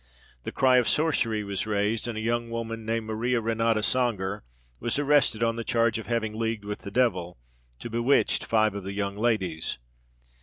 The cry of sorcery was raised, and a young woman, named Maria Renata Sänger, was arrested on the charge of having leagued with the devil, to bewitch five of the young ladies.